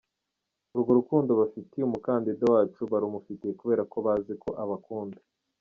Urwo rukundo bafitiye umukandida wacu barumufitiye kubera ko bazi ko abakunda.